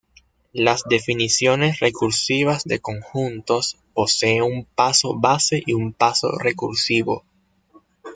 Las definiciones recursivas de conjuntos, poseen un paso base y un paso recursivo.